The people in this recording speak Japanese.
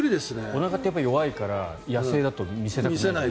おなかってやっぱり弱いから野生だと見せない。